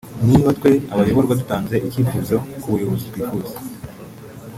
Niba twe abayoborwa dutanze icyifuzo ku buyobozi twifuza